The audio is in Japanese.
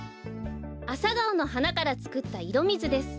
アサガオのはなからつくったいろみずです。